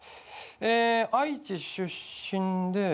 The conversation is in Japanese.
愛知出身で。